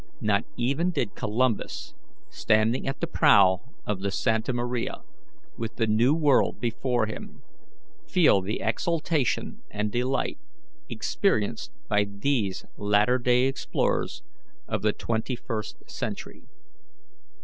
Not even did Columbus, standing at the prow of the Santa Maria, with the New World before him, feel the exultation and delight experienced by these latter day explorers of the twenty first century.